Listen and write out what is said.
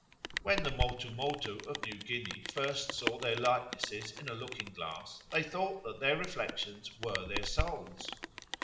When the Motumotu of New Guinea first saw their likenesses in a looking glass, they thought that their reflections were their souls.